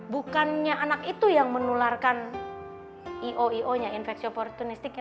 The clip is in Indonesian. bukannya anak itu yang menularkan i o i o nya infeksi oportunistiknya